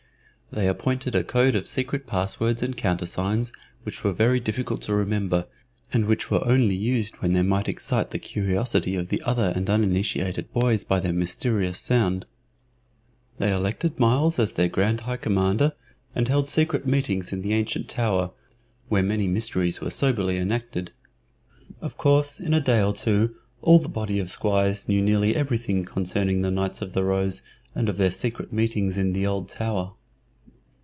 They appointed a code of secret passwords and countersigns which were very difficult to remember, and which were only used when they might excite the curiosity of the other and uninitiated boys by their mysterious sound. They elected Myles as their Grand High Commander, and held secret meetings in the ancient tower, where many mysteries were soberly enacted. Of course in a day or two all the body of squires knew nearly everything concerning the Knights of the Rose, and of their secret meetings in the old tower.